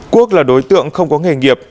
quốc là đối tượng không có nghề nghiệp